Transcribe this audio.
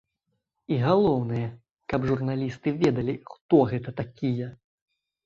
І галоўнае, каб журналісты ведалі, хто гэта такія.